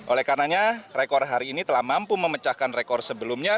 oleh karenanya rekor hari ini telah mampu memecahkan rekor sebelumnya